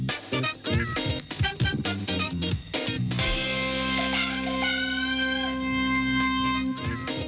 ตั้งคำ